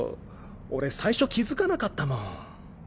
俺最初気付かなかったもん。